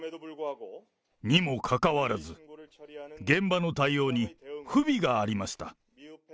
にもかかわらず、現場の対応に不備がありました。